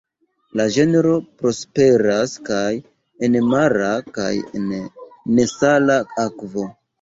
La genro prosperas kaj en mara kaj en nesala akvo.